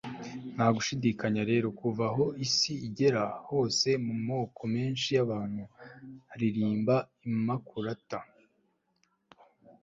nta gushidikanya rero kuva aho isi igera hose mu moko menshi y'abantu baririmba imakulata(immaculée)